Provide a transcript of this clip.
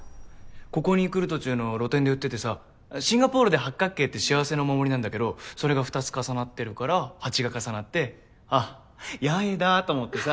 ここに来る途中の露店で売っててさシンガポールで八角形って幸せのお守りなんだけどそれが２つ重なってるから８が重なってあっ八重だと思ってさ。